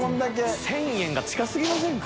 １０００円が近すぎませんか？